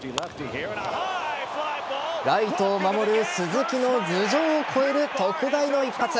ライトを守る鈴木の頭上を越える特大の一発。